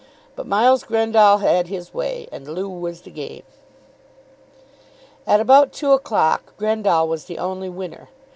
But Miles Grendall had his way, and loo was the game. At about two o'clock Grendall was the only winner.